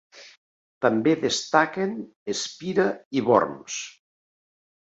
També destaquen Espira i Worms.